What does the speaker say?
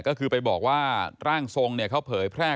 ก็คือไปบอกว่าร่างทรงเนี่ยเขาเผยแพร่